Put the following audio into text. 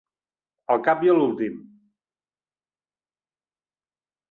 Al cap i a l'últim.